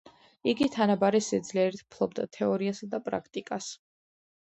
იგი თანაბარი სიძლიერით ფლობდა თეორიასა და პრაქტიკას.